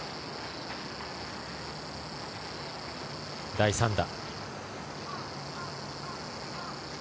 第３打。